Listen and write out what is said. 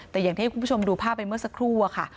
แต่อย่างที่ให้คุณผู้ชมดูภาพไปเมื่อสักครู่อะค่ะ